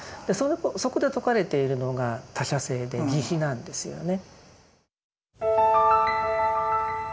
そこで説かれているのが他者性で慈悲なんですよね。